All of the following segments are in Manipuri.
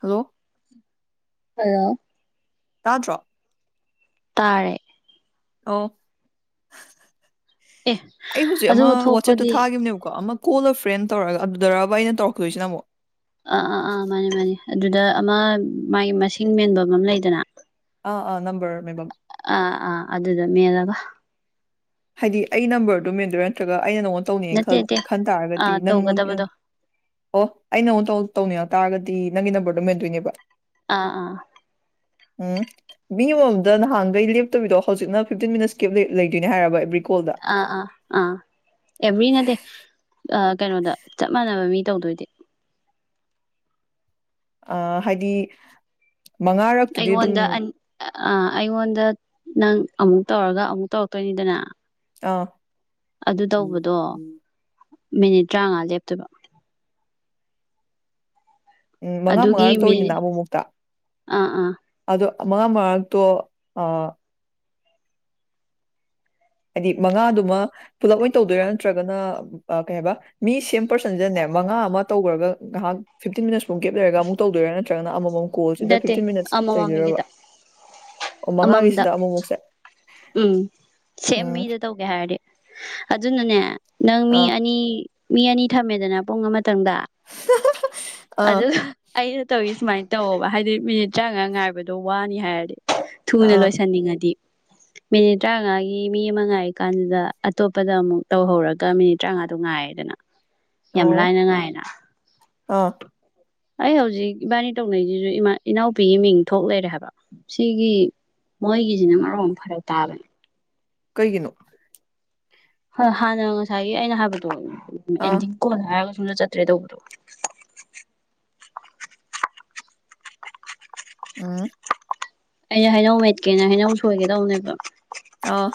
ꯍꯜꯂꯣ ꯑ ꯇꯥꯗ꯭ꯔꯣ ꯇꯔꯦ ꯑꯣ ꯑꯦ ꯑꯩ ꯍꯧꯖꯤꯛ ꯑꯃ ꯑꯗꯨꯒ ꯋꯥꯆꯦꯞꯇ ꯊꯣꯛꯄꯗꯤ ꯊꯥꯈꯤꯕꯅꯦꯕꯀꯣ ꯑꯃ ꯀꯣꯟꯜꯅ ꯐ꯭ꯔꯦꯟ ꯇꯧꯔꯒ ꯑꯗꯨꯗꯔꯕ ꯑꯩꯅ ꯇꯧꯔꯛꯇꯗꯣꯏꯁꯤꯅ ꯑꯃꯨꯛ ꯑꯥ ꯑꯥ ꯑꯥ ꯃꯥꯅꯦ ꯃꯥꯅꯦ ꯑꯗꯨꯗ ꯑꯃ ꯃꯥꯒꯤ ꯃꯁꯤꯡ ꯃꯦꯟꯕ ꯑꯃ ꯑꯃ ꯂꯩꯗꯅ ꯑꯥ ꯑꯥ ꯅꯝꯕꯔ ꯃꯦꯝꯕꯝ ꯑ ꯑꯥ ꯑꯗꯨꯗ ꯃꯦꯂꯒ ꯍꯥꯏꯗꯤ ꯑꯩ ꯅꯝꯕꯔꯗꯣ ꯃꯦꯟꯗꯣꯏꯔꯥ ꯅꯠꯇ꯭ꯔꯒ ꯑꯩꯅ ꯅꯪꯉꯣꯟꯗ ꯇꯧꯅꯤꯡꯌꯦ ꯈ ꯅꯠꯇꯦ ꯅꯠꯇꯦ ꯈꯟ ꯇꯥꯔꯒꯗꯤ ꯑꯥ ꯅꯪꯉꯣꯟ ꯇꯧꯒꯗꯕꯗꯣ ꯑꯣ ꯑ ꯅ ꯑꯃꯨꯛ ꯇꯧꯅꯤꯡꯉꯛ ꯇꯥꯔꯒꯗꯤ ꯅꯪꯒꯤ ꯅꯝꯕꯔꯗꯣ ꯃꯦꯟꯗꯣꯏꯅꯦꯕ ꯑꯥ ꯑꯥ ꯎꯝ ꯃꯤ ꯑꯃꯃꯝꯗ ꯅꯍꯥꯟꯒꯩ ꯂꯦꯞꯇꯕꯤꯗꯣ ꯍꯧꯖꯤꯛꯅ ꯐꯤꯞꯇꯤꯟ ꯃꯤꯅꯠꯁ ꯀꯦꯞ ꯂꯩꯗꯣꯏꯅꯦ ꯍꯥꯏꯔꯕ ꯑꯦꯕ꯭ꯔꯤ ꯀꯣꯜꯗ ꯑꯥ ꯑꯥ ꯑꯥ ꯑꯦꯕꯅꯗꯦ ꯀꯩꯅꯣꯗ ꯆꯞ ꯃꯥꯟꯅꯕ ꯃꯤ ꯇꯧꯗꯣꯏꯗꯤ ꯑ ꯍꯥꯏꯗꯤ ꯃꯉꯥꯔꯛꯇꯨꯗꯤ ꯑꯗꯨꯝ ꯑ ꯑꯩꯉꯣꯟꯗ ꯅꯪ ꯑꯃꯨꯛ ꯇꯧꯔꯒ ꯑꯃꯨꯛ ꯇꯧꯔꯛꯇꯣꯏꯅꯤꯗꯅ ꯑꯥ ꯑꯗꯨ ꯇꯧꯕꯗꯣ ꯃꯤꯅꯤꯠ ꯇꯔꯥꯃꯉꯥ ꯂꯦꯞꯇꯣꯏꯕ ꯎꯝ ꯃꯉꯥ ꯑꯗꯨꯒꯤ ꯃꯉꯥꯔꯛꯇ ꯃꯤ ꯑꯣꯏꯅꯤꯅ ꯑꯃꯛ ꯃꯨꯛꯇ ꯑꯥ ꯑꯥ ꯑꯗꯣ ꯃꯉꯥꯡ ꯃꯔꯛꯇꯣ ꯑ ꯍꯥꯏꯗꯤ ꯃꯉꯥꯗꯨꯃ ꯄꯨꯂꯞ ꯑꯣꯏꯅ ꯇꯧꯗꯣꯏꯔꯥ ꯅꯠꯇ꯭ꯔꯒꯅ ꯀꯩ ꯍꯥꯏꯕ ꯃꯤ ꯁꯦꯝ ꯄꯔꯁꯟꯁꯤꯟꯅꯕ ꯃꯉꯥ ꯑꯃ ꯇꯧꯈ꯭ꯔꯒ ꯉꯥꯏꯍꯥꯛ ꯐꯤꯞꯇꯤꯟ ꯃꯤꯅꯠꯁꯐꯨꯛ ꯒꯞ ꯂꯩꯔꯒ ꯑꯃꯨꯛ ꯇꯧꯗꯣꯏꯔꯥ ꯅꯠꯇ꯭ꯔꯒꯅ ꯑꯃꯃꯛ ꯀꯣꯜꯁꯤꯗ ꯅꯠꯇꯦ ꯐꯤꯞꯇꯤꯟ ꯃꯤꯅꯠꯁ ꯇꯩꯗꯔꯕ ꯑꯃꯃꯝꯒꯤꯗ ꯑꯣ ꯑꯃꯃꯝꯗ ꯃꯉꯥꯒꯤꯁꯤꯗ ꯑꯃꯨꯛꯃꯨꯛꯁꯦ ꯎꯝ ꯁꯦꯝ ꯎꯝ ꯃꯤꯗ ꯇꯧꯒꯦ ꯍꯥꯏꯔꯗꯤ ꯑꯗꯨꯅꯅꯦ ꯅꯪ ꯃꯤ ꯑꯥ ꯑꯅꯤ ꯃꯤ ꯑꯅꯤ ꯊꯝꯃꯦꯗꯅ ꯄꯨꯡ ꯑꯃ ꯈꯤꯇꯪꯗ ꯑꯥ ꯑꯗꯨ ꯑꯩꯅ ꯇꯧꯋ ꯁꯨꯃꯥꯏꯅ ꯇꯧꯕ ꯍꯥꯏꯗꯤ ꯃꯤꯅꯤꯠ ꯇꯔꯥꯉꯥ ꯉꯥꯏꯕꯗꯣ ꯋꯥꯅꯤ ꯍꯥꯏꯔꯗꯤ ꯊꯨꯅ ꯑꯥ ꯂꯣꯏꯁꯟꯅꯤꯡꯉꯗꯤ ꯃꯤꯅꯤꯠ ꯇꯔꯥꯃꯉꯥꯒꯤ ꯃꯤ ꯑꯃ ꯉꯥꯏꯔꯤ ꯀꯥꯟꯗꯨꯗ ꯑꯇꯣꯞꯄꯗ ꯑꯃꯨꯛ ꯇꯧꯍꯧꯔꯒ ꯃꯤꯅꯤꯠ ꯇꯔꯥꯃꯉꯥꯗꯣ ꯉꯥꯏꯌꯦꯦꯗꯅ ꯑꯣ ꯌꯃꯂꯅ ꯉꯥꯏꯅꯥ ꯑꯥ ꯑꯩ ꯍꯧꯖꯤꯛ ꯏꯕꯥꯅꯤ ꯇꯧꯅꯩꯁꯤꯁꯨ ꯏꯃꯥ ꯏꯅꯥꯎꯄꯤꯒꯤ ꯃꯤꯡ ꯊꯣꯛ ꯂꯩꯔꯦ ꯍꯥꯏꯕ ꯁꯤꯒꯤ ꯃꯣꯏꯒꯤꯁꯤꯅ ꯃꯔꯨꯞ ꯑꯃ ꯐꯔꯛ ꯇꯥꯕꯅꯦ ꯀꯩꯒꯤꯅꯣ ꯍꯣꯏ ꯍꯥꯟꯅ ꯉꯁꯥꯏꯒꯤ ꯑꯩꯅ ꯍꯥꯏꯕꯗꯣ ꯑꯥ ꯑꯦꯟꯗꯤꯡ ꯀꯣꯟ ꯍꯥꯏꯔꯒ ꯁꯨꯝꯗ ꯆꯠꯇ꯭ꯔꯦ ꯇꯧꯕꯗꯣ ꯎꯝ ꯑꯩꯅ ꯍꯩꯅꯧ ꯃꯦꯠꯀꯦꯅ ꯍꯩꯅꯧ ꯁꯣꯏꯒꯦꯗꯧꯅꯦꯕ ꯑꯥ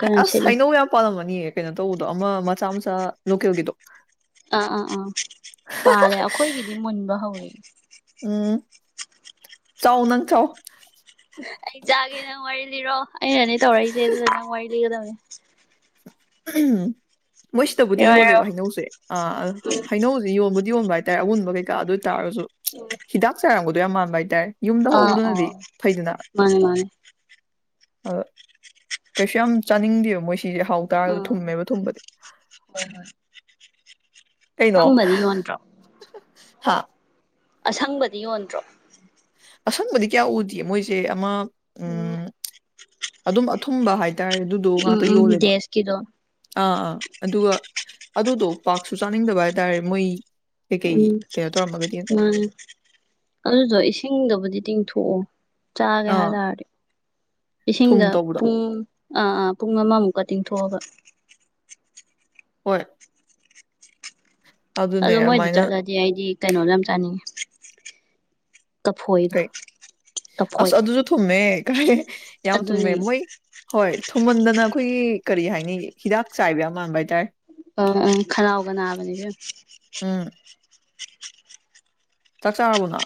ꯀꯩꯅꯣ ꯑꯁ ꯁꯤꯠꯂꯤ ꯍꯩꯅꯧ ꯌꯥꯝ ꯄꯥꯜꯂꯝꯃꯅꯤꯌꯦ ꯀꯩꯅꯣ ꯇꯧꯕꯗꯣ ꯑꯃ ꯃꯆꯥ ꯃꯆꯥ ꯂꯣꯀꯦꯜꯒꯤꯗꯣ ꯑꯥ ꯑꯥ ꯑꯥ ꯄꯥꯜꯂꯦ ꯑꯩꯈꯣꯏꯒꯤꯗꯤ ꯃꯨꯟꯕ ꯍꯧꯋꯦ ꯎꯝ ꯆꯥꯎ ꯅꯪ ꯆꯥꯎ ꯑꯩ ꯆꯥꯒꯦ ꯅꯪ ꯋꯥꯔꯤ ꯂꯤꯔꯣ ꯑꯩꯅꯅꯦ ꯇꯧꯔꯛꯏꯁꯦ ꯑꯗꯨꯗ ꯅꯪ ꯋꯥꯔꯤ ꯂꯤꯒꯗꯕꯅꯦ ꯎꯝ ꯃꯣꯏ ꯁꯤꯗꯕꯨꯗꯤ ꯂꯤꯔꯣ ꯂꯤꯔꯣ ꯌꯣꯜꯂꯦꯕ ꯍꯩꯅꯧꯁꯦ ꯑ ꯍꯩꯅꯧꯁꯦ ꯌꯣꯟꯕꯨꯗꯤ ꯌꯣꯟꯕ ꯍꯥꯏꯇꯥꯔꯦ ꯑꯎꯨꯟꯕ ꯀꯩꯀꯥ ꯑꯗꯨ ꯇꯥꯔꯁꯨ ꯍꯤꯗꯥꯛ ꯆꯥꯔꯝꯝꯕꯗꯣ ꯌꯥꯝ ꯃꯥꯟꯕ ꯍꯥꯏꯇꯥꯔꯦ ꯌꯨꯝꯗ ꯑꯥ ꯍꯧꯕꯗꯨꯅꯗꯤ ꯑꯥ ꯐꯩꯗꯅ ꯃꯥꯅꯦ ꯃꯥꯅꯦ ꯑꯗ ꯀꯩꯁꯨ ꯌꯥꯝ ꯆꯥꯅꯤꯡꯗꯦꯕ ꯃꯣꯏ ꯁꯤꯁꯦ ꯍꯥꯎ ꯇꯥꯔꯒꯗꯤ ꯎꯝ ꯊꯨꯝꯃꯦꯕ ꯊꯨꯝꯕꯗꯤ ꯀꯩꯅꯣ ꯁꯝꯕꯗꯤ ꯌꯣꯟꯗ꯭ꯔꯣ ꯍꯥ ꯑꯁꯪꯕꯗꯤ ꯌꯣꯟꯗ꯭ꯔꯣ ꯑꯁꯪꯕꯗꯤ ꯀꯌꯥ ꯎꯗꯦ ꯃꯣꯏꯁꯦ ꯑꯃ ꯎꯝ ꯑꯗꯨꯝ ꯑꯊꯨꯝꯕ ꯍꯥꯏꯇꯥꯔꯦ ꯑꯗꯨꯗꯣ ꯉꯥꯛꯇ ꯎꯝ ꯌꯣꯜꯂꯦꯕ ꯗꯦꯁꯀꯤꯗꯣ ꯑꯥ ꯑꯥ ꯑꯗꯨꯒ ꯑꯗꯨꯗꯣ ꯄꯥꯛꯁꯨ ꯆꯥꯅꯤꯡꯗꯕ ꯍꯥꯏꯇꯥꯔꯦ ꯃꯣꯏ ꯀꯩꯀꯩ ꯎꯝ ꯀꯩꯅꯣ ꯇꯧꯔꯝꯃꯒꯗꯤ ꯃꯥꯅꯦ ꯑꯗꯨꯗꯣ ꯏꯁꯤꯡꯗꯕꯨꯗꯤ ꯇꯤꯡꯊꯣꯛ ꯑꯣ ꯆꯥꯒꯦ ꯑꯥ ꯍꯥꯏꯇꯥꯔꯗꯤ ꯊꯨꯝ ꯏꯁꯤꯡꯗ ꯇꯧꯕꯗꯣ ꯄꯨꯡ ꯑꯥ ꯑꯥ ꯄꯨꯡ ꯑꯃꯃꯨꯛꯀ ꯇꯤꯡꯊꯣꯛꯑꯒ ꯍꯣꯏ ꯑꯗꯨꯅꯦ ꯑꯗꯣ ꯃꯣꯏꯗ ꯑꯗꯨꯃꯥꯏꯅ ꯆꯠꯂꯗꯤ ꯑꯩꯗꯤ ꯀꯩꯅꯣꯗ ꯌꯥꯝ ꯆꯥꯅꯤꯡꯉ ꯐꯣꯏꯔ ꯀꯩ ꯑꯁ ꯑꯗꯨꯁꯨ ꯊꯨꯝꯃꯦ ꯀꯥꯏ ꯌꯥꯝ ꯊꯨꯝꯃꯦ ꯑꯗꯨꯅꯦ ꯃꯣꯏ ꯍꯣꯏ ꯊꯨꯝꯃꯟꯗꯅ ꯑꯩꯈꯣꯏꯒꯤ ꯀꯔꯤ ꯍꯥꯏꯅꯤ ꯍꯤꯗꯥꯛ ꯆꯥꯏꯕ ꯌꯥꯝ ꯃꯥꯟꯕ ꯍꯥꯏꯇꯥꯔꯦ ꯑ ꯑ ꯈꯅꯥꯎꯒ ꯅꯥꯕꯅꯤꯁꯨ ꯆ ꯆ ꯑꯕꯨꯅꯥ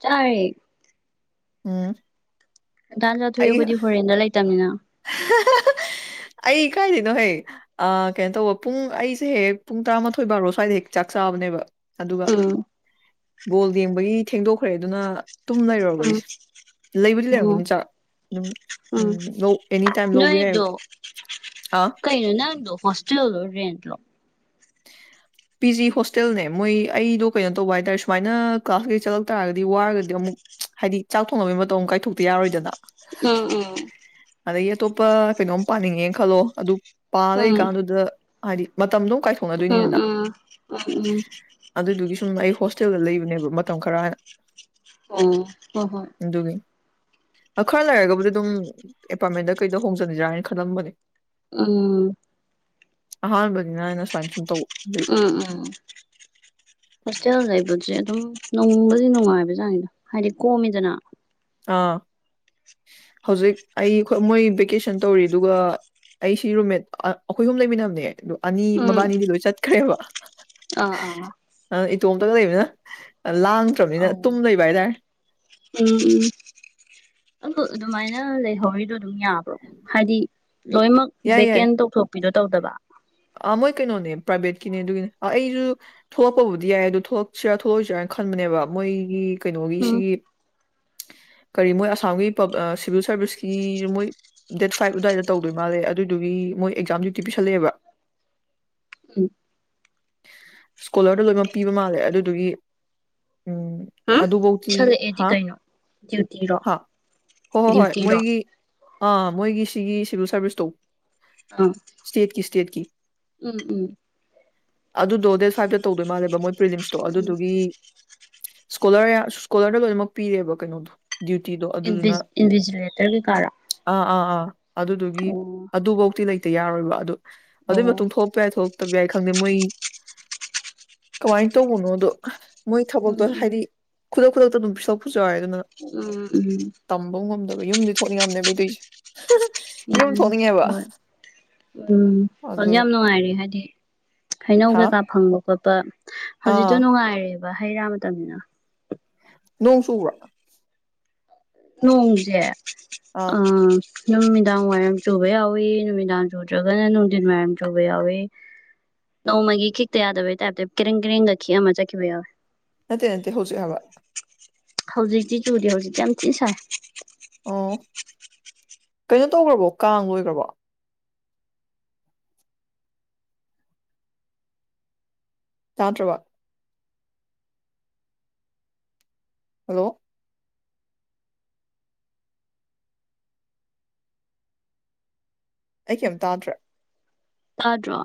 ꯆꯦ ꯎꯝ ꯥꯟ ꯆꯥꯊꯣꯛꯑꯎ ꯑꯩ ꯑꯩꯈꯣꯏꯗꯤ ꯐꯣꯔꯦꯟꯗ ꯂꯩꯇꯕꯅꯤꯅ [inaudible] ꯑꯩ ꯀꯥꯏꯗꯅꯣ ꯍꯦꯛ ꯑ ꯀꯩꯅꯣ ꯇꯧꯕ ꯄꯨꯡ ꯑꯩꯁꯦ ꯍꯦꯛ ꯄꯨꯡ ꯇꯔꯥꯃꯥꯊꯣꯏ ꯕꯥꯔꯣ ꯁ꯭ꯋꯥꯏꯗ ꯍꯦꯛ ꯆꯥꯛ ꯆ ꯐꯅꯦꯕ ꯑ ꯕꯣꯜ ꯌꯦꯡꯕꯒꯤ ꯊꯦꯡꯗꯣꯛꯈ꯭ꯔꯦ ꯑꯗꯨꯅ ꯇꯨꯝ ꯂꯩꯔꯔꯕ ꯎꯝ ꯑꯩꯁꯦ ꯂꯩꯕꯨꯗꯤ ꯎꯝ ꯂꯩꯔꯝꯒꯅꯤ ꯆꯥꯛ ꯑꯗꯨꯝ ꯑꯦꯅꯤ ꯇꯥꯏꯝ ꯂꯧꯕ ꯅꯣꯏꯣꯏꯗꯣ ꯌꯥꯏꯑꯕ ꯑꯥ ꯀꯩꯅꯩꯅꯣ ꯅꯪꯗꯣ ꯍꯣꯁꯇꯦꯜ ꯑꯣꯏꯣ ꯔꯦꯟꯂꯣ [inaudible] ꯄꯤ ꯖꯤ ꯍꯣꯁꯇꯦꯜꯅꯦ ꯃꯣꯏ ꯑꯩꯗꯣ ꯀꯩꯅꯣ ꯇꯧꯕ ꯍꯥꯏꯇꯥꯔꯦ ꯁꯨꯃꯥꯏꯅ ꯀ꯭ꯂꯥꯁ ꯀꯩ ꯆꯠꯂꯛ ꯇꯥꯔꯒꯗꯤ ꯋꯥꯔꯒꯗꯤ ꯑꯃꯨꯛ ꯍꯥꯏꯗꯤ ꯆꯥꯛ ꯊꯣꯡꯅꯕꯒꯤ ꯃꯇꯧ ꯑꯃ ꯀꯥꯏꯊꯣꯛꯇ ꯌꯥꯔꯣꯏꯗꯅ ꯎꯝ ꯎꯝ ꯑꯗꯒꯤ ꯑꯇꯣꯞꯄ ꯀꯩꯅꯣꯝ ꯄꯥꯅꯤꯡꯉꯦꯅ ꯈꯜꯂꯣ ꯑꯗꯨ ꯄꯥ ꯎꯝ ꯂꯩꯀꯥꯟꯗꯨꯗ ꯍꯥꯏꯗꯤ ꯃꯇꯝꯗꯣ ꯀꯥꯏ ꯎꯝ ꯣꯡꯅꯗꯣꯏꯅꯤꯗꯅ ꯎꯝ ꯎꯝ ꯑꯗꯨꯗꯨꯒꯤ ꯁꯨꯝ ꯑꯩ ꯍ ꯆꯠꯆꯒ ꯂꯩꯕꯅꯦꯕ ꯃꯇꯝ ꯈꯔꯅ ꯑꯣ ꯍ ꯍꯣ ꯈꯔ ꯂꯩꯔꯒꯕꯨꯗꯤ ꯑꯗꯨꯝ ꯑꯦꯄꯥꯔꯠꯃꯦꯟꯗ ꯀꯩꯗ ꯍꯣꯡꯖꯅꯤꯗ꯭ꯔꯥ ꯍꯥꯏꯅ ꯈꯜꯂꯝꯕꯅꯦ ꯑꯝ ꯑꯍꯥꯟꯕꯅꯤꯅ ꯑꯩꯅ ꯁꯨꯃꯥꯏꯅ ꯁꯨꯝ ꯇꯧ ꯎ ꯎ ꯍꯁꯖꯥꯏꯕꯖꯠ ꯑꯗꯨꯝ ꯅꯨꯡꯕꯨꯗꯤ ꯅꯨꯡꯉꯥꯏꯕ ꯆꯥꯅꯤꯗꯣ ꯍꯥꯏꯗꯤ ꯀꯣꯝꯃꯤꯗꯅ ꯑꯥ ꯍꯧꯖꯤꯛ ꯑꯩ ꯃꯣꯏ ꯚꯦꯀꯦꯁꯟ ꯇꯧꯔꯤ ꯑꯗꯨꯒ ꯑꯩꯁꯤ ꯔꯨꯝꯃꯦꯠ ꯑꯩꯈꯣꯏ ꯑꯍꯨꯝ ꯂꯩꯃꯤꯟꯅꯕꯅꯦ ꯑꯗꯨ ꯑꯅꯤ ꯎꯝ ꯃꯕꯥꯅꯤꯗꯤ ꯂꯣꯏ ꯆꯠꯈ꯭ꯔꯦꯕ ꯑꯥ ꯑꯥ ꯑꯗꯨꯅ ꯏꯇꯣꯝꯇꯒ ꯂꯩꯕꯅꯤꯅ ꯂꯥꯡꯗ꯭ꯔꯕꯅꯤꯅ ꯑꯧ ꯇꯨꯝ ꯂꯩꯕ ꯍꯥꯏꯇꯥꯔꯦ ꯑ ꯑꯗꯨꯃꯥꯏꯅ ꯂꯩꯍꯧꯔꯤꯗꯣ ꯝ ꯌꯥꯕ꯭ꯔꯣ ꯍꯥꯏꯗꯤ ꯂꯣꯏꯅꯃꯛ ꯚꯦꯀꯦꯟ ꯇꯧꯊꯣꯛꯄꯤꯗꯣ ꯇꯧꯗꯕ ꯑ ꯃꯣꯏ ꯀꯩꯅꯣꯅꯦ ꯄ꯭ꯔꯥꯏꯚꯦꯠꯀꯤꯅꯦ ꯑꯗꯨꯒꯤꯅꯦ ꯑꯩꯁꯨ ꯊꯣꯛꯄꯕꯨꯗꯤ ꯌꯥꯏ ꯑ ꯑꯗꯨ ꯊꯣꯛꯁꯤꯔꯥ ꯊꯣꯛꯑꯣꯏꯁꯤꯔꯥ ꯈꯟꯕꯅꯦꯕ ꯃꯣꯏꯒꯤ ꯀꯩꯅꯣꯒꯤ ꯎꯝ ꯁꯤꯒꯤ [unintelligible] ꯀꯔꯤ ꯃꯣꯏ ꯑꯁꯥꯝꯒꯤ ꯁꯤꯚꯤꯜ ꯁꯥꯔꯚꯤꯁꯀꯤ ꯃꯣꯏ ꯗꯦꯠ ꯐꯥꯏꯚ ꯑꯗꯨꯋꯥꯏꯗ ꯇꯧꯗꯣꯏ ꯃꯥꯜꯂꯦ ꯑꯗꯨꯏꯗꯨꯒꯤ ꯃꯣꯏꯛꯥꯝ ꯗ꯭ꯨꯇꯤ ꯄꯤꯁꯜꯂꯑꯦꯕ ꯎꯝ ꯁ꯭ꯀꯣꯂꯔꯗ ꯂꯣꯏꯅꯃꯛ ꯄꯤꯕ ꯃꯥꯜꯂꯦ ꯑꯗꯨꯗꯨꯒꯤ ꯎꯝ ꯑꯗꯨꯕꯧꯇꯤ ꯄꯤꯁꯜꯂꯛꯑꯦꯗꯤ ꯍꯥ ꯀꯩꯅꯣ ꯗ꯭ꯌꯨꯇꯤꯔꯣ ꯍꯥ ꯍꯣꯏ ꯍꯣꯏ ꯍꯣꯏ ꯗ꯭ꯌꯨꯇꯤꯔꯣ ꯃꯣꯏꯒꯤ ꯑꯥ ꯃꯣꯏꯒꯤ ꯁꯤꯒꯤ ꯁꯤꯚꯤꯜ ꯁꯥꯔꯚꯤꯁ ꯇꯧ ꯑ ꯎꯝ ꯎꯝ ꯑꯗꯨꯗꯣ ꯗꯦꯠ ꯐꯥꯏꯚꯇ ꯇꯧꯗꯣꯏ ꯃꯥꯜꯂꯦꯕ ꯃꯣꯏ ꯄ꯭ꯔꯤꯗꯤꯝꯁꯇꯣ ꯎꯝ ꯑꯗꯨꯗꯨꯒꯤ ꯁ꯭ꯀꯣꯂꯔ ꯁ꯭ꯀꯣꯂꯔꯗ ꯂꯣꯏꯅꯃꯛ ꯄꯤꯔꯦꯕ ꯀꯩꯅꯣꯗꯣ ꯗ꯭ꯌꯨꯇꯤꯗꯣ ꯑꯗꯨꯗꯨꯅ ꯏꯟꯚꯤꯖ ꯏꯟꯚꯤꯖꯤꯂꯦꯇꯔ ꯀꯩꯀꯥꯔꯥ ꯑꯥ ꯑꯥ ꯑꯥ ꯑꯗꯨꯗꯨꯒꯤ ꯑꯣ ꯑꯗꯨꯐꯧꯗꯤꯤ ꯂꯩꯇ ꯌꯥꯔꯣꯏꯕ ꯑꯗꯨ ꯑꯣ ꯑꯗꯨꯒꯤ ꯃꯇꯨꯡ ꯊꯣꯛꯄ ꯌꯥꯏ ꯊꯣꯛꯇꯕ ꯌꯥꯏ ꯈꯪꯗꯦ ꯃꯣꯏ ꯀꯃꯥꯏꯅ ꯇꯧꯕꯅꯣꯗꯣ ꯃꯣꯏ ꯊꯕꯛꯇꯣ ꯎꯝ ꯎꯝ ꯍꯥꯏꯗꯤ ꯈꯨꯗꯛ ꯈꯨꯗꯛꯇ ꯑꯗꯨꯝ ꯄꯤꯁꯣꯛ ꯄꯨꯁꯨ ꯍꯥꯏꯦ ꯑꯗꯨꯅ ꯎꯝ ꯎꯝ ꯇꯝꯕ ꯉꯝꯗꯕ ꯌꯨꯝꯗꯤ ꯊꯣꯛꯔꯤ ꯌꯥꯝꯅꯦꯇꯦ ꯎꯝ ꯍꯣꯏ ꯎꯝ ꯑꯗꯨ ꯍꯧꯖꯤꯛ ꯌꯥꯝ ꯅꯨꯡꯉꯥꯏꯔꯦ ꯍꯥꯏꯗꯤ ꯍꯩꯅꯧ ꯍꯥ ꯀꯩꯀꯥ ꯐꯪꯕ ꯈꯣꯠꯄ ꯍꯧꯖꯤꯛꯇꯣ ꯑꯥ ꯅꯨꯡꯉꯥꯏꯔꯦꯕ ꯍꯩ ꯔꯥ ꯃꯇꯝꯅꯤꯅ ꯅꯣꯡ ꯆꯕ꯭ꯔꯥ ꯅꯣꯡꯣꯡꯖꯦ ꯑꯥ ꯑ ꯅꯨꯃꯤꯗꯥꯡ ꯋꯥꯏꯔꯝ ꯆꯨꯕ ꯌꯥꯎꯏꯤ ꯅꯨꯃꯤꯗꯥꯡ ꯆꯨꯗ꯭ꯔꯒꯅ ꯅꯨꯡꯊꯤꯟ ꯋꯥꯏꯔꯝ ꯆꯨꯕ ꯌꯥꯎꯏꯤ ꯅꯣꯡꯃꯒꯤ ꯈꯤꯛꯇ ꯌꯥꯗꯕꯩ ꯇꯥꯏꯞꯇ ꯀꯔꯦꯡ ꯀꯔꯦꯡꯒ ꯈꯤꯛ ꯑꯃ ꯆꯠꯈꯤꯕ ꯌꯥꯎꯋꯦ ꯅꯠꯇꯦ ꯅꯠꯇꯦ ꯍꯧꯖꯤꯛ ꯍꯥꯏꯕ ꯍꯧꯖꯤꯛꯇꯤ ꯆꯨꯔꯤ ꯍꯧꯖꯤꯛꯇꯤ ꯌꯥꯝ ꯊꯤꯅ ꯁꯥꯏ ꯑꯣ ꯀꯩꯅꯣ ꯇꯧꯈ꯭ꯔꯕꯣ ꯀꯥꯡ ꯂꯣꯏꯈ꯭ꯔꯕ ꯇꯥꯟꯇ꯭ꯔꯕ ꯍꯜꯂꯣ ꯑꯩ ꯀꯩꯝ ꯇꯥꯗ꯭ꯔꯦ ꯁꯥꯥꯗ꯭ꯔꯣ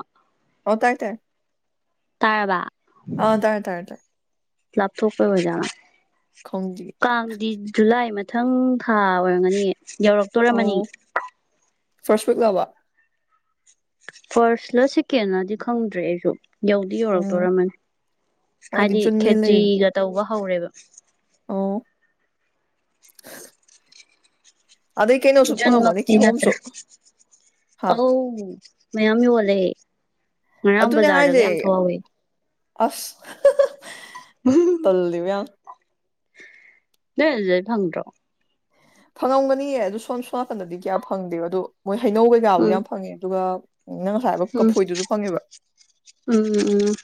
ꯍ ꯇꯥꯏ ꯇꯥꯏ ꯇꯥꯏꯔꯕ ꯑꯥ ꯇꯥꯏꯦ ꯇꯥꯏꯦ ꯇꯥꯏ ꯂꯥꯞꯊꯣꯛꯄꯩ ꯑꯣꯏꯖꯥꯅ ꯈꯪꯗꯤꯌꯦ ꯀꯥꯡꯗꯤ ꯖꯨꯂꯥꯏ ꯃꯊꯪ ꯊꯥ ꯑꯣꯏꯔꯝꯒꯅꯤ ꯌꯧꯔꯛꯇꯣꯔꯝꯃꯅꯤ ꯐꯁ ꯐꯛꯅꯥꯕ ꯐꯥꯔꯁꯂ ꯁꯦꯀꯦꯟꯗꯤ ꯈꯪꯗ꯭ꯔꯦ ꯑꯩꯁꯨ ꯌꯧꯗꯤ ꯎꯝ ꯌꯧꯔꯛꯇꯣꯔꯔꯝꯃꯅꯤ ꯍꯣꯏ ꯑꯩꯗꯤ ꯍꯥꯏꯗꯤ ꯖꯨꯟꯅꯦ ꯂꯩꯔꯤꯅꯤ ꯈꯦꯇ꯭ꯔꯤꯒ ꯇꯧꯕ ꯍꯧꯔꯦꯕ ꯑꯣ ꯑꯗꯩ ꯀꯩꯅꯣꯁꯨ ꯖꯟꯃ ꯐꯪꯉꯝꯃꯅꯤ ꯊ ꯅꯠꯇ꯭ꯔ ꯀꯤꯍꯣꯝꯁꯨ ꯍꯥ ꯑ ꯃꯌꯥꯝꯃꯤ ꯌ ꯋꯥꯂꯦꯦ ꯑꯗꯨꯅꯦ ꯍꯥꯏꯁꯦ ꯑꯁ ꯇꯜꯜꯂꯤꯕꯤ ꯑ ꯂꯩꯣꯏꯖꯦ ꯐꯪꯗ꯭ꯔꯣ ꯐꯪꯉꯝꯒꯅꯤꯌꯦ ꯑ ꯑꯗꯨ ꯁꯣꯝ ꯁꯣꯝ ꯅꯥꯀꯟꯗꯗꯤ ꯀꯌꯥ ꯐꯪꯗꯦꯕ ꯑꯗꯣ ꯃꯣꯏ ꯍꯩꯅꯧ ꯀꯩꯀꯥꯕꯨꯗꯤ ꯎꯝ ꯌꯥꯝ ꯐꯪꯉꯦ ꯑꯗꯨꯒ ꯅꯪ ꯉꯁꯥꯏ ꯍꯥꯏꯕ ꯎꯝ ꯀꯐꯣꯏꯗꯨꯁꯨ ꯐꯪꯉꯦꯕ ꯎꯝ ꯎꯝ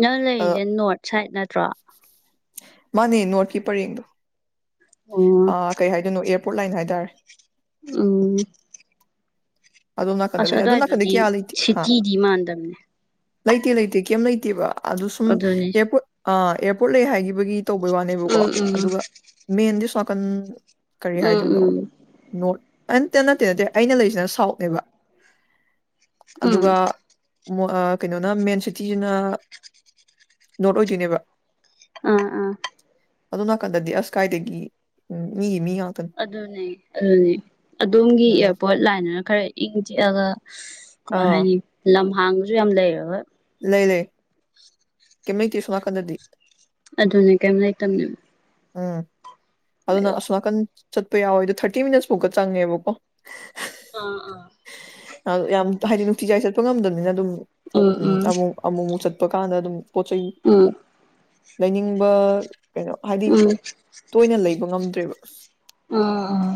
ꯅꯪ ꯑꯗ ꯂꯩꯔꯤꯁꯦ ꯅꯣꯔꯠ ꯁꯥꯏꯠ ꯅꯠꯇ꯭ꯔꯣ ꯃꯥꯅꯦ ꯅꯣꯠꯀꯤꯤꯄꯔ ꯌꯦꯡꯗ ꯑꯣ ꯀꯩ ꯍꯥꯏꯗꯣꯏꯅꯣ ꯑꯦꯔꯄꯣꯔꯠ ꯂꯥꯏꯟ ꯍꯥꯏꯇꯥꯔꯦ ꯑꯝ ꯑꯗꯣꯝ ꯅꯥꯀꯟꯗ ꯑꯁ ꯂꯩ ꯑꯗꯣꯝ ꯅꯥꯀꯟꯗꯤ ꯑꯗꯨꯋꯥꯏꯗꯨꯗꯤ ꯀꯌꯥ ꯂꯩꯇꯦ ꯍꯥ ꯁꯤꯇꯤꯗꯤ ꯃꯥꯟꯗꯝꯅꯦ ꯂꯩꯇꯦ ꯂꯩꯇꯦ ꯀꯩꯝ ꯂꯩꯇꯦꯕ ꯑꯗꯨꯣ ꯁꯨꯝ ꯑꯗꯨꯅꯤ ꯑꯦꯌꯥꯔꯄꯣꯔꯠ ꯑꯦꯔꯄꯣꯔꯠ ꯂꯩ ꯍꯥꯏꯈꯤꯕꯒꯤ ꯇꯧꯕꯩ ꯋꯥꯅꯦꯕꯀꯣ ꯎꯝ ꯎꯝ ꯑꯗꯨꯒ ꯃꯦꯟꯗꯤ ꯁꯣꯅꯥꯀꯟ ꯀꯔꯤ ꯎꯝ ꯍꯥꯏꯗꯣꯏꯅꯣ ꯎꯝ ꯅꯣꯔꯠ ꯑꯟꯇ ꯅꯠꯇꯦ ꯅꯠꯇꯦ ꯑꯩꯅ ꯂꯩꯁꯤꯅ ꯁꯥꯎꯠ ꯂꯩꯕ ꯑꯥ ꯀꯩꯅꯣꯅ ꯃꯦꯟ ꯁꯤꯇꯤꯁꯤꯅ ꯅꯣꯔꯠ ꯑꯣꯏꯗꯣꯏꯅꯦꯕ ꯑꯥ ꯑꯥ ꯑꯗꯨ ꯅꯥꯀꯟꯗꯗꯤ ꯑꯁ ꯀꯥꯏꯗꯒꯤ ꯃꯤꯒꯤ ꯃꯤ ꯉꯥꯛꯇꯅꯤ ꯑꯗꯨꯅꯦ ꯑꯗꯨꯅꯦ ꯑꯗꯣꯝꯒꯤ ꯎꯝ ꯏꯌꯥꯔꯄꯣꯔꯠ ꯂꯥꯏꯅꯅ ꯈꯔ ꯏꯪ ꯆꯤꯛꯑꯒ ꯀꯃꯥꯏ ꯑꯥ ꯍꯥꯏꯅꯤ ꯂꯝꯍꯥꯡꯕꯁꯨ ꯌꯥꯝ ꯂꯩꯔꯦ ꯍꯣꯏ ꯂꯩ ꯂꯩ ꯀꯃ ꯊꯁꯨꯅꯥ ꯀꯟꯗ꯭ꯔꯗꯤ ꯑꯗꯨꯅꯦ ꯀꯩꯝ ꯂꯩꯇꯝꯅꯤꯡꯕ ꯎꯝ ꯑꯗꯨꯅ ꯑꯁꯣꯃꯅꯥꯀꯟ ꯆꯠꯄ ꯌꯥꯎꯋꯦꯗꯣ ꯊꯥꯔꯇꯤ ꯃꯤꯅꯠꯁ ꯐꯥꯎꯀ ꯆꯪꯉꯦꯕꯀꯣ ꯑꯥ ꯑꯥ ꯌꯥꯝ ꯍꯥꯏꯗꯤ ꯅꯨꯡꯇꯤꯖꯥꯏ ꯆꯠꯄ ꯉꯝꯗꯕꯅꯤꯅ ꯑꯗꯨꯝ ꯎꯝ ꯑꯃꯨꯛ ꯑꯃꯨꯛ ꯑꯃꯨꯛ ꯆꯠ ꯆꯠꯄ ꯀꯥꯟꯗ ꯑꯗꯨꯝ ꯄꯣꯠ ꯆꯩꯩ ꯎꯝ ꯂꯩꯅꯤꯡꯕ ꯀꯩꯅꯣ ꯍꯥꯏꯗꯤ ꯎꯝ ꯇꯣꯏꯅ ꯂꯩꯕ ꯉꯝꯗ꯭ꯔꯦꯕ ꯑꯥ ꯑꯥ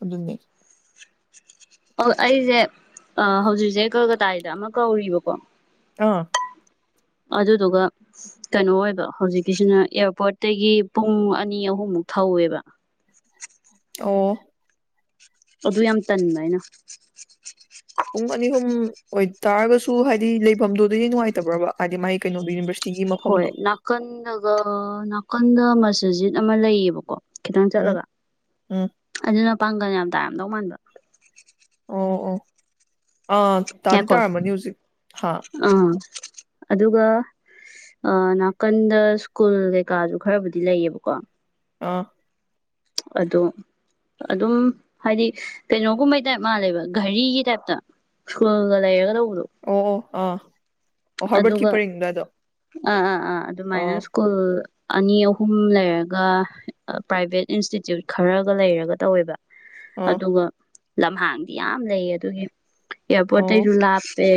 ꯑꯗꯨꯟꯅꯅꯦ ꯑꯣ ꯑꯩꯁꯦ ꯍꯧꯖꯤꯛꯁꯦ ꯀꯜꯀꯇꯥꯒꯤꯗ ꯑꯃ ꯀꯧꯔꯤꯕꯀꯣ ꯑꯥ ꯑꯗꯨꯗꯨꯒ ꯀꯩꯅꯣ ꯑꯣꯏꯕ ꯍꯧꯖꯤꯛꯀꯤꯁꯤꯅ ꯑꯦꯌꯥꯔꯄꯣꯔꯠꯇꯒꯤ ꯄꯨꯡ ꯑꯅꯤ ꯑꯍꯨꯝꯃꯨꯛ ꯊꯧꯋꯦꯕ ꯑꯣ ꯑꯗꯨ ꯌꯥꯝ ꯇꯟꯕ ꯍꯥꯏꯅ ꯄꯨꯡ ꯑꯅꯤ ꯑꯍꯨꯝ ꯑꯣꯏꯇꯥꯥꯔꯒꯁꯨ ꯍꯥꯏꯗꯤ ꯂꯩꯐꯝꯗꯨꯗꯗꯤ ꯅꯨꯡꯉꯥꯏꯇꯕ꯭ꯔꯕ ꯍꯥꯏꯗꯤ ꯃꯒꯤ ꯀꯩꯅꯣꯒꯤ ꯌꯨꯅꯤꯚꯔꯁꯤꯇ ꯍꯣꯏ ꯅꯥꯀꯟꯗꯒ ꯅꯥꯀꯟꯗ ꯃꯁꯖꯤꯠ ꯑꯃ ꯂꯩꯌꯦꯕꯀꯣ ꯈꯤꯇꯪ ꯎꯝ ꯆꯠꯂꯒ ꯎꯝ ꯑꯗꯨꯅ ꯄꯥꯡꯒꯜ ꯌꯥꯝ ꯇꯥꯔꯝꯗꯧ ꯃꯥꯟꯕ ꯑꯣ ꯑꯣ ꯑꯥ ꯇꯥꯗꯤ ꯉꯥꯏꯈꯣ ꯇꯥꯔꯝꯃꯅꯤ ꯍꯧꯖꯤꯛ ꯍꯥ ꯑꯥ ꯑꯗꯨꯒ ꯅꯥꯀꯟꯗ ꯁ꯭ꯀꯨꯜ ꯀꯩꯀꯥꯁꯨ ꯈꯔꯕꯨꯗꯤ ꯂꯩꯌꯦꯕꯀꯣ ꯑꯥ ꯑꯗꯣ ꯑꯗꯨꯝ ꯍꯥꯏꯗꯤ ꯀꯩꯅꯣꯒꯨꯝꯕꯩ ꯇꯥꯏꯞ ꯃꯥꯜꯂꯦꯕ ꯘꯔꯤꯒꯤ ꯇꯥꯏꯞꯇ ꯁꯀꯨꯜꯒ ꯂꯩꯒ ꯑꯣ ꯑꯣ ꯑꯥ ꯑꯣ ꯍꯣꯔꯔꯕꯠ ꯑꯗꯨꯒ ꯀꯤꯞꯄꯔꯡꯗ ꯑꯗꯣ ꯑꯥ ꯑꯥ ꯑꯥ ꯑꯗꯨꯃꯥꯏꯅ ꯑꯥ ꯁ꯭ꯀꯨꯜ ꯑꯅꯤ ꯑꯍꯨꯝ ꯂꯩꯔꯒ ꯄ꯭ꯔꯥꯏꯚꯦꯠ ꯏꯟꯁꯇꯤꯇ꯭ꯌꯨꯠ ꯈꯔꯒ ꯂꯩꯔꯒ ꯇꯧꯋꯦꯕ ꯑꯥ ꯑꯗꯨꯒ ꯂꯝꯍꯥꯡꯗꯤ ꯌꯥꯝ ꯂꯩꯌꯦ ꯑꯗꯨꯒꯤ ꯑꯣ ꯑꯦꯌꯥꯔꯄꯣꯔꯠꯇꯇꯩꯒꯤꯁꯨ ꯂꯥꯞꯄꯦ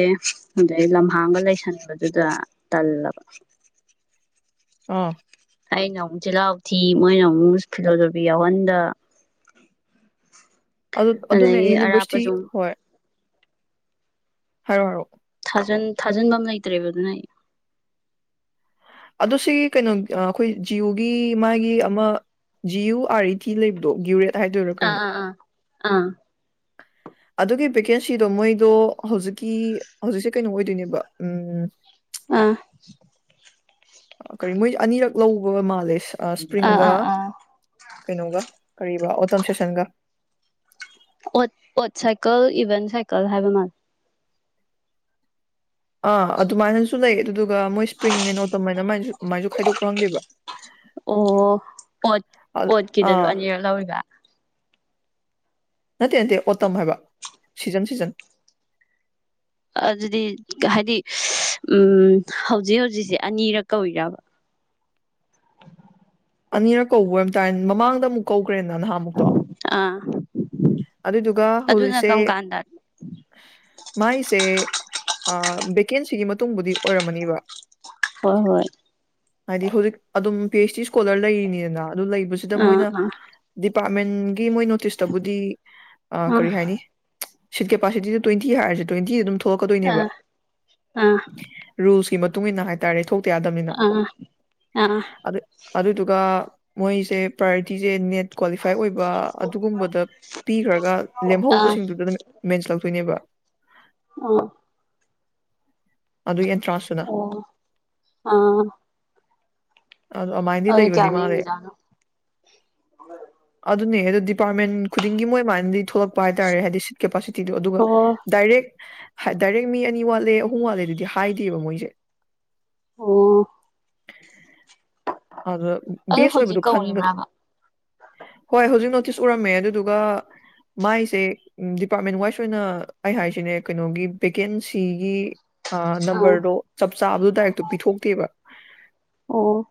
ꯑꯗꯩ ꯂꯝꯍꯥꯡꯒ ꯂꯩ ꯇꯁꯟꯕꯗꯨꯗ ꯇꯜꯂꯕ ꯑꯥ ꯑꯩꯅ ꯑꯃꯨꯛ ꯆꯤꯜꯍꯥꯎ ꯊꯤ ꯃꯣꯏꯅ ꯑꯃꯨꯛ ꯐꯤꯂꯣꯖꯣꯐꯤ ꯌꯥꯎꯍꯟꯗ ꯑꯗꯨ ꯑꯗꯨꯅꯦ ꯑꯗꯒꯤ ꯌꯨꯅꯤꯚꯔꯁꯤꯇꯤ ꯑꯔꯥꯞꯄꯁꯨ ꯍꯔꯣ ꯍꯥꯏꯔꯣ ꯊꯥꯖꯤꯟꯕ ꯑꯃ ꯂꯩꯇ꯭ꯔꯦꯕ ꯑꯗꯨꯅ ꯑꯩ ꯑꯗꯣ ꯁꯤ ꯀꯩꯅꯣ ꯑꯩꯈꯣꯏ ꯖꯤꯌꯣꯒꯤ ꯃꯥꯒꯤ ꯑꯃ ꯖꯤꯌꯨ ꯑꯥꯔ ꯏ ꯇꯤ ꯂꯩꯕꯗꯣ ꯒ꯭ꯌꯨꯔꯦꯠ ꯍꯥꯏꯗꯣꯏꯔꯥ ꯀꯩꯅꯣ ꯑꯥ ꯑꯥ ꯑꯥ ꯑꯥ ꯑꯗꯨꯒꯤ ꯚꯦꯀꯦꯟꯁꯤꯗꯣ ꯃꯣꯏꯗꯣ ꯍꯧꯖꯤꯛꯀꯤ ꯍꯧꯖꯤꯛꯁꯦ ꯀꯩꯅꯣ ꯑꯣꯏꯗꯣꯏꯅꯦꯕ ꯎꯝ ꯑꯥ ꯀꯔꯤ ꯃꯣꯏ ꯑꯅꯤꯔꯛ ꯂꯧꯕ ꯃꯥꯜꯂꯦ ꯑꯥ ꯏꯁꯄ꯭ꯔꯤꯡꯒ ꯑꯥ ꯑꯥ ꯀꯩꯅꯣꯒ ꯀꯔꯤꯕ ꯑꯣꯇꯝ ꯁꯦꯁꯟꯒ ꯑꯣꯠ ꯑꯣꯠ ꯁꯥꯏꯀꯜ ꯏꯚꯦꯟ ꯁꯥꯏꯀꯜ ꯍꯥꯏꯕ ꯃꯥꯂ ꯑꯥ ꯑꯗꯨꯃꯥꯏꯅꯁꯨ ꯂꯩ ꯑꯗꯨꯗꯨꯒ ꯃꯣꯏ ꯁ꯭ꯄ꯭ꯔꯤꯡ ꯑꯦꯟ ꯑꯣꯇꯝ ꯍꯥꯏꯅꯃꯥꯏꯁꯨ ꯀꯃꯥꯏꯁꯨ ꯈꯥꯏꯗꯣꯛꯄ꯭ꯔ ꯈꯪꯗꯦꯕ ꯑꯣ ꯑꯣꯠ ꯑ- ꯑꯣꯠꯀꯤꯗꯁꯨ ꯑꯥ ꯑꯅꯤꯔꯛ ꯂꯧꯔꯤꯕ ꯅꯠꯇꯦ ꯅꯠꯇꯦ ꯑꯣꯇꯝ ꯍꯥꯏꯕ ꯁꯤꯖꯟ ꯁꯤꯖꯟ ꯑꯗꯨꯗꯤ ꯍꯥꯏꯗꯤ ꯎꯝ ꯍꯧꯖꯤꯛ ꯍꯧꯖꯤꯛꯁꯦ ꯑꯅꯤꯔꯛ ꯀꯧꯏꯔꯕ ꯑꯅꯤꯔꯛ ꯀꯧꯕ ꯑꯣꯏꯕ ꯇꯥꯏ ꯃꯃꯥꯡꯗ ꯑꯃꯨꯛ ꯀꯧꯈ꯭ꯔꯦꯅ ꯅꯍꯥꯃꯨꯛꯇꯣ ꯑꯥ ꯑꯗꯨꯅ ꯍꯧꯖꯤꯛꯁꯦ ꯀꯝ ꯀꯥꯟꯗ ꯃꯥꯏꯁꯦ ꯚꯦꯀꯦꯟꯁꯤꯒꯤ ꯃꯇꯨꯡꯕꯨꯗꯤ ꯑꯣꯏꯔꯝꯃꯅꯤꯕ ꯍꯣꯏ ꯍꯣꯏ ꯍꯥꯏꯗꯤ ꯍꯧꯖꯤꯛ ꯑꯗꯨꯝ ꯄꯤ ꯑꯩꯩꯆ ꯗꯤ ꯏꯁꯀꯣꯂꯔ ꯂꯩꯔꯤꯅꯤꯗꯅ ꯑꯗꯨ ꯂꯩꯕꯁꯤꯗ ꯃꯣꯏꯅ ꯑꯥ ꯗꯤꯄꯥꯔꯠꯃꯦꯟ ꯒꯤ ꯃꯣꯏ ꯅꯣꯇꯤꯁꯇꯕꯨꯗꯤ ꯑꯥ ꯀꯔꯤ ꯍꯥꯏꯅꯤ ꯁꯤꯠ ꯀꯦꯄꯥꯁꯤꯇꯤꯗ ꯇ꯭ꯋꯦꯟꯇꯤ ꯍꯥꯏꯔꯁꯦ ꯇ꯭ꯋꯦꯟꯇꯤ ꯑꯗꯨꯝ ꯊꯣꯛꯂꯛꯀꯗꯣꯏꯅꯦꯕ ꯑꯥ ꯑꯥ ꯔꯨꯜꯁꯀꯤ ꯃꯇꯨꯡ ꯏꯟꯅ ꯍꯥꯏꯇꯥꯔꯦ ꯊꯣꯛꯇ ꯌꯥꯗꯕꯅꯤꯅ ꯑꯥ ꯑꯥ ꯑꯗꯨ ꯀ ꯃꯣꯏꯁꯦ ꯄꯥꯔꯇꯤꯁꯦ ꯅꯦꯠ ꯀ꯭ꯋꯥꯂꯤꯐꯥꯏ ꯑꯣꯏꯕ ꯑꯗꯨꯒꯨꯝꯕꯗ ꯄꯤꯈ꯭ꯔꯒ ꯑꯥ ꯂꯦꯝꯍꯧꯕꯁꯤꯡꯗꯨꯗ ꯑꯗꯨꯝ ꯃꯦꯟꯁ ꯂꯧꯥꯛꯇꯣꯏꯅꯦꯕ ꯑꯥ ꯑꯗꯨꯒꯤ ꯑꯦꯟꯇ꯭ꯔꯥꯟꯁꯇꯨꯅ ꯑꯣ ꯑꯥ ꯑꯗꯨ ꯑꯗꯨꯃꯥꯏꯅꯗꯤ ꯑꯗꯨꯗꯤ ꯂꯩꯕꯗꯤ ꯀꯌꯥ ꯃꯥꯜꯂꯦ ꯂꯦꯝꯃꯤꯖꯥꯠꯅꯣ ꯑꯗꯨꯅꯦ ꯑꯣ ꯗꯤꯄꯥꯔꯠꯃꯦꯟ ꯈꯨꯗꯤꯡꯒꯤ ꯃꯣꯏ ꯃꯃꯥꯏꯅꯗꯤ ꯊꯣꯛꯂꯛꯄ ꯍꯥꯏꯇꯥꯔꯦ ꯍꯥꯏꯗꯤ ꯁꯤꯠ ꯀꯦꯄꯥꯁꯤꯇꯤ ꯤꯗꯣ ꯑꯗꯨꯒ ꯑꯣ ꯗꯥꯏꯔꯦꯛ ꯗꯥꯏꯔꯦꯛ ꯃꯤ ꯑꯅꯤ ꯋꯥꯠꯂꯦ ꯑꯍꯨꯝ ꯋꯥꯠꯂꯦ ꯑꯗꯨꯗꯤ ꯍꯥꯏꯗꯦꯕ ꯃꯣꯏꯁꯦ ꯑꯣ ꯑꯗꯨ ꯑꯗꯣ ꯕꯦꯁ ꯍꯧꯖꯤꯛ ꯑꯣꯏꯕꯗꯨꯣ ꯈꯟꯒꯗ꯭ꯔꯥ ꯀꯧꯔꯤꯕ꯭ꯔꯕ ꯍꯣꯏ ꯍꯧꯖꯤꯛ ꯑꯗꯨꯁꯨ ꯎꯔꯝꯃꯦ ꯑꯗꯨꯗꯨꯒ ꯃꯥꯏꯁꯦ ꯗꯤꯄꯥꯔꯠꯃꯦꯟ ꯋꯥꯏꯁ ꯑꯣꯏꯅ ꯑꯩ ꯍꯥꯏꯁꯤꯅꯦ ꯀꯩꯅꯣꯒꯤ ꯚꯦꯀꯦꯟꯁꯤꯒꯤ ꯑꯥ ꯅꯝꯕꯔꯗꯣ ꯆꯞ ꯆꯥꯕꯗꯣ ꯗꯥꯏꯔꯦꯛꯇꯣ ꯄꯤꯊꯣꯛꯇꯦꯕ ꯑꯣ